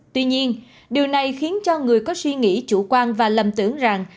tuy nhiên điều này khiến cho người có suy nghĩ chủ quan và lầm tưởng rằng